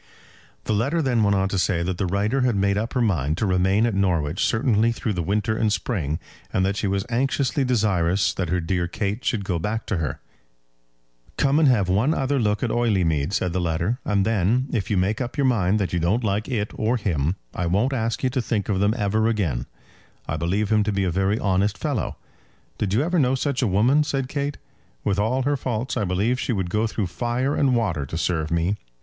The letter then went on to say that the writer had made up her mind to remain at Norwich certainly through the winter and spring, and that she was anxiously desirous that her dear Kate should go back to her. "Come and have one other look at Oileymead," said the letter, "and then, if you make up your mind that you don't like it or him, I won't ask you to think of them ever again. I believe him to be a very honest fellow." "Did you ever know such a woman?" said Kate; "with all her faults I believe she would go through fire and water to serve me.